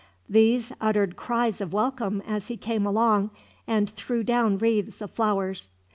These uttered cries of welcome as he came along, and threw down wreaths of flowers.